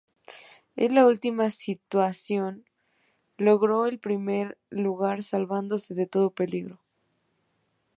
En esa última situación, logró el primer lugar salvándose de todo peligro.